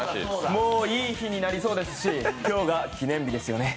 もう、いい日になりそうですし、今日が記念日ですよね。